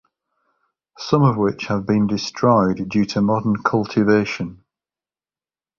Some of which have been destroyed due to modern cultivation.